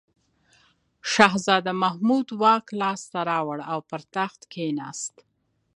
شهزاده محمود واک لاس ته راوړ او پر تخت کښېناست.